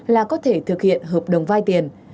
là có thể thực hiện hợp đồng vai tiền